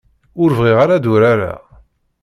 Ur bɣiɣ ara ad urareɣ.